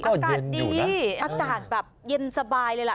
อากาศดีอากาศแบบเย็นสบายเลยล่ะ